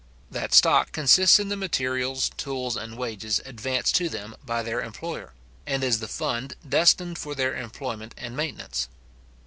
That stock consists in the materials, tools, and wages, advanced to them by their employer; and is the fund destined for their employment and maintenance.